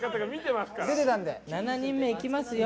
７人目いきますよ。